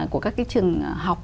của các cái trường học